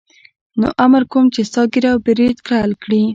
نو امر کوم چې ستا ږیره او برېت کل کړي.